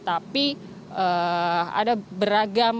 tapi ada beragam petugas